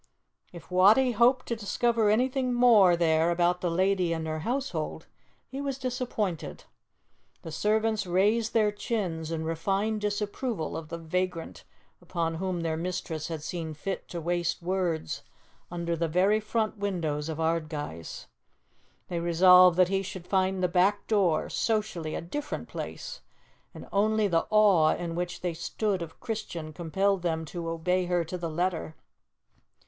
If Wattie hoped to discover anything more there about the lady and her household, he was disappointed. The servants raised their chins in refined disapproval of the vagrant upon whom their mistress had seen fit to waste words under the very front windows of Ardguys. They resolved that he should find the back door, socially, a different place, and only the awe in which they stood of Christian compelled them to obey her to the letter.